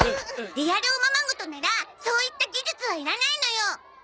リアルおままごとならそういった技術はいらないのよ！